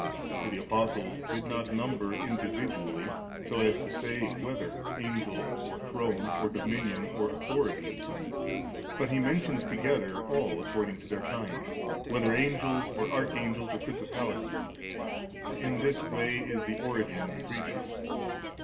For the Apostle did not number individually, so as to say * whether Angel, or Throne, or Do minion, or Authority,' but he mentions together all according to their kind, 'whether Angels, or Archangels, or Principalities^ :' for in this way is the origination of the creatures.